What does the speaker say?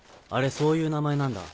そういう名前なんだ。